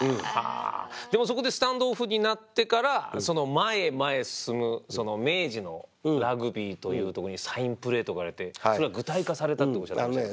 でもそこでスタンドオフになってからその前へ前へ進む明治のラグビーというとこにサインプレーとかいわれてそれは具体化されたっておっしゃってましたけど。